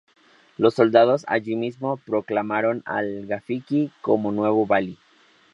Los soldados, allí mismo, proclamaron a al-Gafiqi como nuevo valí.